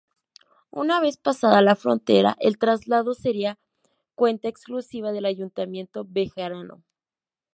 Una vez pasada la frontera el traslado sería cuenta exclusiva del Ayuntamiento bejarano.